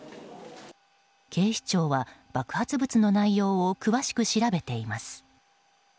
警視庁は爆発物の内容を詳しく調べています。